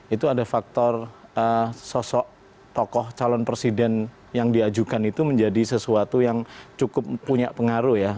itu ada faktor sosok tokoh calon presiden yang diajukan itu menjadi sesuatu yang cukup punya pengaruh ya